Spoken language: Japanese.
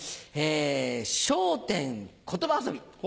笑点言葉遊び。